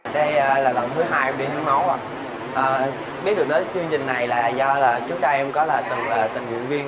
đây là lần thứ hai em đi hiến máu biết được đến chương trình này là do chú trai em có là tình nguyện viên